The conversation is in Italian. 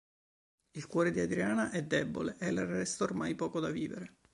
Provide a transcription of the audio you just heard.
Il cuore di Adriana è debole e le resta ormai poco da vivere.